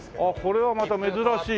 これはまた珍しい。